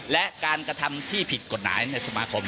และการกระทำที่ผิดกฎหมายในสมาคม